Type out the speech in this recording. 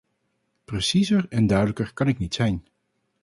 Preciezer en duidelijker kan ik niet zijn.